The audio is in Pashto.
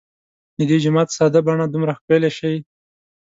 د دې جومات ساده بڼه دومره ښکلې شي.